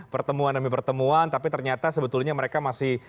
pertemuan demi pertemuan tapi ternyata sebetulnya mereka masih